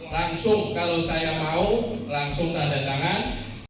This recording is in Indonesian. langsung kalau saya mau langsung tanda tangan berarti uang diserahkan